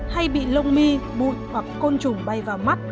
hay bị lông mi bụi hoặc côn trùng bay vào mắt